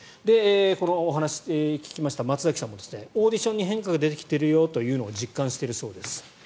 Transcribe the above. このお話、聞きました松崎さんもオーディションに変化が出てきているというのを実感しているそうです。